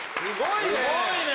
すごいね